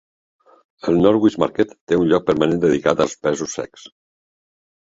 El Norwich Market té un lloc permanent dedicat als pèsols secs.